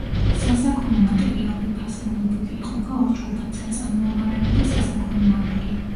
სასაქონლო-მატერიალური ფასეულობები იყოფა ორ ჯგუფად: საწარმოო მარაგი და სასაქონლო მარაგი.